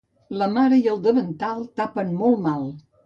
La mare i el davantal tapen molt mal.